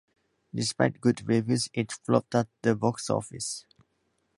Despite good reviews, it flopped at the box-office.